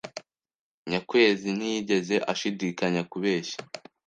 Nyakwezi ntiyigeze ashidikanya kubeshya.